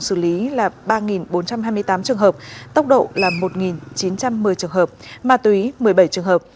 xử lý là ba bốn trăm hai mươi tám trường hợp tốc độ là một chín trăm một mươi trường hợp ma túy một mươi bảy trường hợp